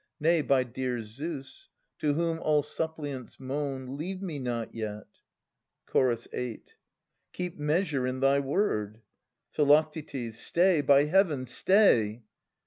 Nay, by dear Zeus, to whom all suppliants main. Leave me not yet! Ch. 8. Keep measure in thy word. Phi. Stay, by Heaven, stay!